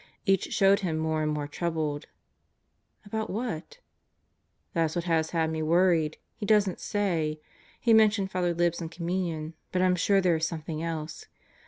Each showed him more and more troubled," "About what?" "That's what has had me worried: he doesn't say. He mentioned Father Libs and Communion, but I'm sure there is something else.